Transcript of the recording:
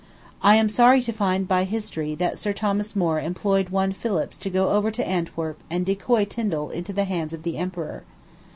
I am sorry to find, by history, that Sir Thomas More employed one Phillips to go over to Antwerp and decoy Tindal into the hands of the emperor.